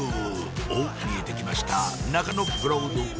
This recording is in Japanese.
おっ見えて来ました